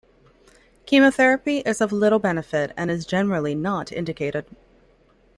Chemotherapy is of little benefit and is generally not indicated.